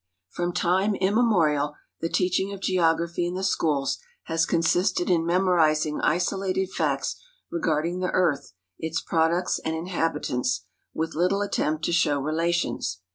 From tiuie inunemorial the teaching of geogra|)liy in the schools Ikls consisted in memorizing isolated facts regarding the earth, its products and inhabitants, with little attempt to show relations.